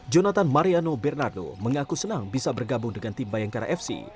jonathan mariano bernardo mengaku senang bisa bergabung dengan tim bayangkara fc